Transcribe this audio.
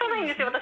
私。